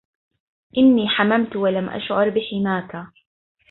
إني حممت ولم أشعر بحماكا